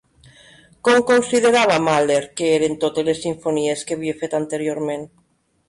Com considerava Mahler que eren totes les simfonies que havia fet anteriorment?